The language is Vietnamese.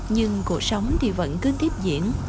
nhưng cuộc sống thì vẫn cứ tiếp diễn